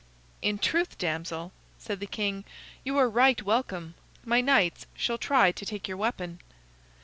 "In truth, damsel," said the king, "you are right welcome. My knights shall try to take your weapon."